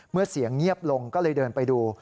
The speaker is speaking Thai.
เมื่อเสียงเงียบลงก็เลยเดินไปดู